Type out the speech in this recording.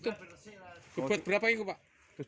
kepulangannya berapa ini pak